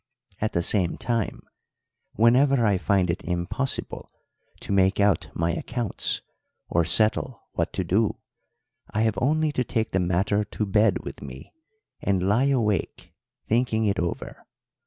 At the same time, whenever I find it impossible to make out my accounts, or settle what to do, I have only to take the matter to bed with me and lie awake thinking it over.